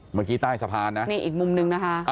เมื่อกี้ใต้สะพานนะนี่อีกมุมนึงนะคะ